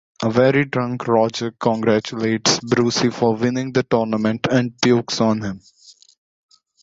A very drunk Roger congratulates Brucie for winning the tournament and pukes on him.